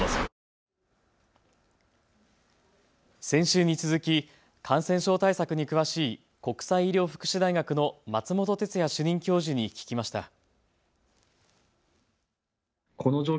先週に続き、感染症対策に詳しい国際医療福祉大学の松本哲哉主任教授に聞きました。